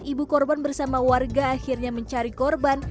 ibu korban bersama warga akhirnya mencari korban